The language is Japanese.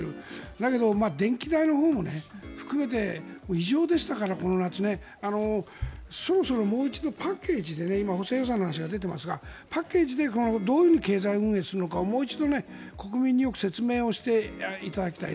だけど、電気代のほうも含めてこの夏、異常でしたから。そろそろもう一度パッケージで今、補正予算の話が出ていますがパッケージでどういうふうに経済運営するのかをもう一度、国民によく説明をしていただきたい。